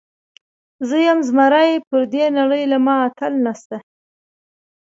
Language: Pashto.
زه یم زمری، پر دې نړۍ له ما اتل نسته.